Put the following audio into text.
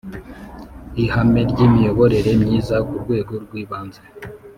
ihame ry'imiyoborere myiza ku rwego rw'ibanze